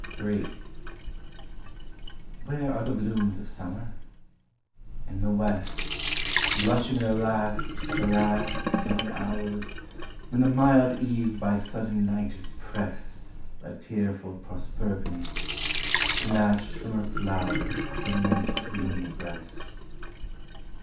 Where are the blooms of Summer? In the west, Blushing their last to the last sunny hours. When the mild Eve by sudden Night is prest Like tearful Proserpine, snatch'd from her flow'rs To a most gloomy breast.